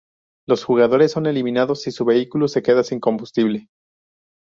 Los jugadores son eliminados si su vehículo se queda sin combustible.